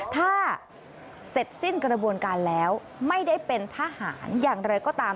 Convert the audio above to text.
ถ้าเสร็จสิ้นกระบวนการแล้วไม่ได้เป็นทหารอย่างไรก็ตาม